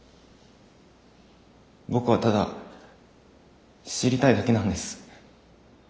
僕はただ知りたいだけなんです。